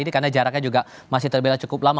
karena jaraknya juga masih terbela cukup lama